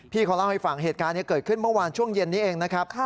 เขาเล่าให้ฟังเหตุการณ์นี้เกิดขึ้นเมื่อวานช่วงเย็นนี้เองนะครับ